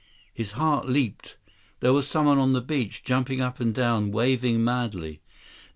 His heart leaped. There was someone on the beach, jumping up and down, waving madly.